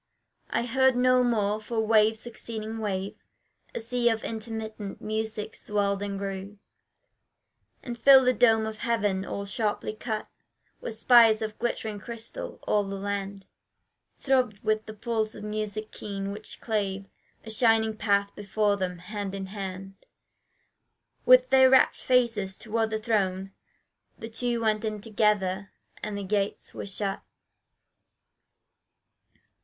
I heard no more for wave succeeding wave A sea of intermittent music swelled and grew, And filled the dome of heaven, all sharply cut With spires of glittering crystal: all the land Throbbed with the pulse of music keen, which clave A shining path before them: hand in hand With their rapt faces toward the throne the two Went in together and the gates were shut.